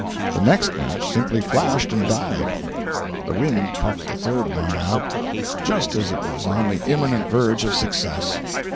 The next match simply flashed and died. The wind puffed the third one out just as it was on the imminent verge of success.